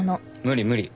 無理無理